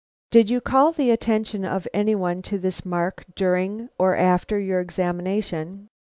"Did you call the attention of any one to this mark during or after your examination?"